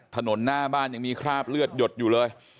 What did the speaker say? ถนนหน้าบ้านยังมีคราบเลือดหยดอยู่เลย